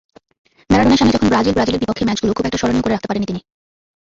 ম্যারাডোনার সামনে যখন ব্রাজিলব্রাজিলের বিপক্ষে ম্যাচগুলো খুব একটা স্মরণীয় করে রাখতে পারেননি তিনি।